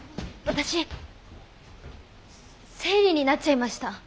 私生理になっちゃいました。